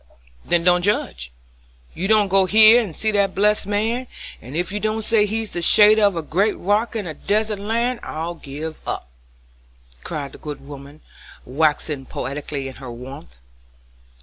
"Then don't judge. You go hear and see that blessed man, and ef you don't say he's the shadder of a great rock in a desert land, I'll give up," cried the good woman, waxing poetical in her warmth.